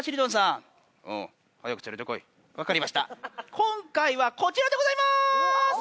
今回はこちらでございます！